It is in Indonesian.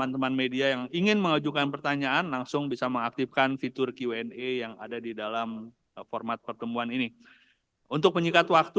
tersediaannya juga di dalam sesi tanya jawab